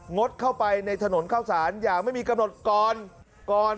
ดเข้าไปในถนนเข้าสารอย่างไม่มีกำหนดก่อนก่อน